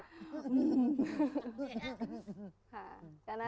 ค่ะ